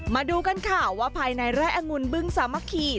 มาดูกันค่ะว่าภายในไร่อังุลบึงสามัคคี